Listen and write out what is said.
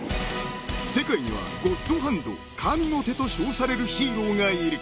［世界にはゴッドハンド神の手と称されるヒーローがいる］